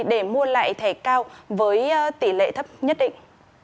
để mua lại thẻ cao với tỷ lệ thấp nhất định